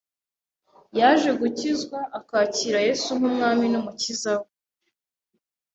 yaje gukizwa akakira Yesu nk’umwami n’umukiza we